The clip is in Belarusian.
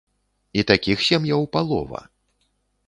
І такіх сем'яў палова.